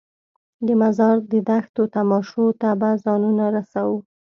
د مزار د دښتو تماشو ته به ځانونه رسوو.